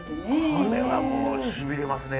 これはもうしびれますね。